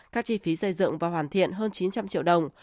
các chi phí xây dựng và hoàn thiện hơn chín trăm linh triệu đồng